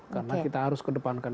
karena kita harus kedepankan